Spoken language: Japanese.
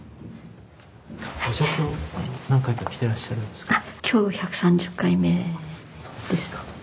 お写経何回か来てらっしゃるんですか？